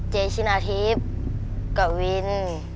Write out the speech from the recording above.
เจชินาธิบกวิน